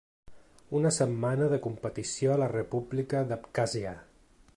Una setmana de competició a la ‘república d’Abkhàsia’